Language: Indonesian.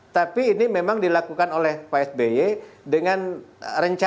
tapi ini memang dilakukan oleh pak sby dengan rencana